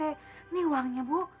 ini uangnya bu